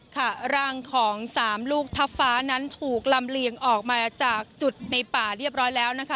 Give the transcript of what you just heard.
ค่ะร่างของสามลูกทัพฟ้านั้นถูกลำเลียงออกมาจากจุดในป่าเรียบร้อยแล้วนะคะ